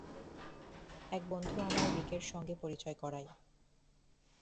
এক বন্ধু আমার রিকের সঙ্গে পরিচয় করায়।